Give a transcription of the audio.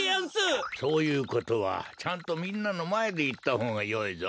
そういうことはちゃんとみんなのまえでいったほうがよいぞ。